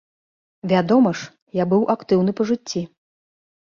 Вядома ж, я быў актыўны па жыцці.